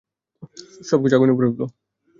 সবকিছু আগুনে পুড়ে ফেলব।